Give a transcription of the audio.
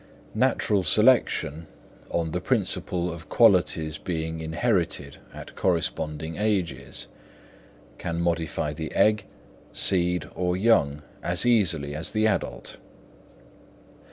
Natural selection, on the principle of qualities being inherited at corresponding ages, can modify the egg, seed, or young as easily as the adult.